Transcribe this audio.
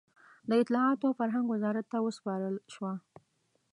د اطلاعاتو او فرهنګ وزارت ته وسپارل شوه.